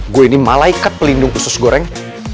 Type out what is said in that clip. gue ini malaikat pelindung khusus goreng